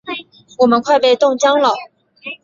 我们快被冻僵了！